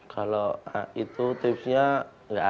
kalau itu tipsnya nggak ada sih mas